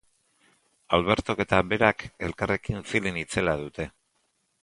Albertok eta berak elkarrekin feeling itzela dute.